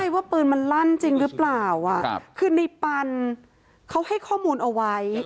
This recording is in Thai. ว่าปืนมันลั่นจริงหรือเปล่าคือในปันเขาให้ข้อมูลเอาไว้